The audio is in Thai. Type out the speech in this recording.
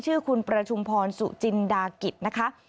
ชื่อคุณประชุมพรสุจินดากิจนะคะ